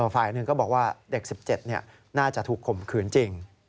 ฝ่ายหนึ่งก็บอกว่าเด็ก๑๗น่าจะถูกข่มขืนจริง